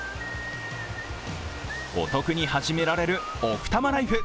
お得に始められる奥多摩ライフ。